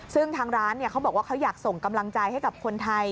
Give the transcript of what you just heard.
ซึ่งทางร้านเขาบอกว่าเขาอยากส่งกำลังใจให้กับคนไทย